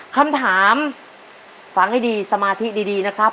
คำถามฟังให้ดีสมาธิดีนะครับ